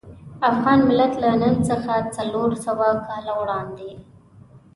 افغان ملت له نن څخه څلور سوه کاله وړاندې.